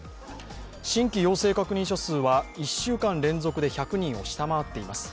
新規陽性確認者数は１週間連続で１００人を下回っています。